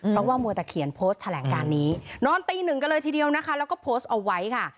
เพราะว่ามัวตะเขียนโพสต์แถลงการนี้นอนตีหนึ่งกันเลยทีเดียวนะคะแล้วก็โพสต์เอาไว้ค่ะ